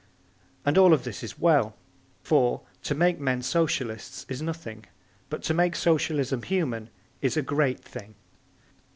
And all of this is well. For, to make men Socialists is nothing, but to make Socialism human is a great thing.